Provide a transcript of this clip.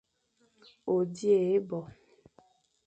O dighé bo.